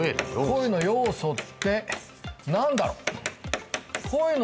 声の要素って何だろ？